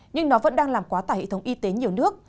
nhưng nó vẫn đang làm quá tải hệ thống y tế nhiều nước